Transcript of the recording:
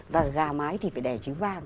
và gà mái thì phải đè trứng vang